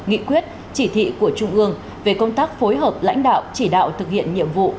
nghị quyết chỉ thị của trung ương về công tác phối hợp lãnh đạo chỉ đạo thực hiện nhiệm vụ